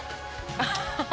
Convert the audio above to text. アッハハ。